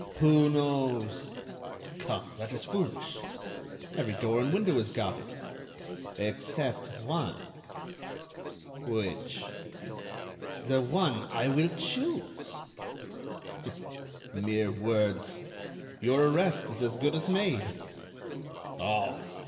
"Who knows?" "Come, that is foolish. Every door and window is guarded." "Except one." "Which?" "The one I will choose." "Mere words! Your arrest is as good as made." "Oh!